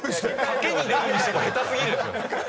賭けに出るにしても下手すぎるでしょ。